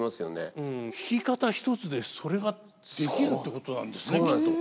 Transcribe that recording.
弾き方一つでそれができるってことなんですねきっと。